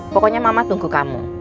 pokoknya mama tunggu kamu